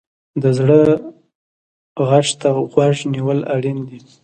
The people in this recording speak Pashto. د زړه غږ ته غوږ نیول اړین دي.